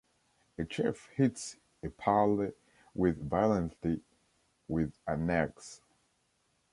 A chef hits Epalle with violently with an axe.